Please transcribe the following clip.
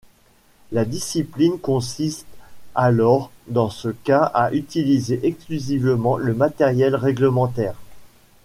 La discipline consiste alors dans ce cas à utiliser exclusivement le matériel réglementaire.